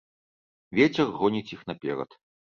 Вецер гоніць іх наперад.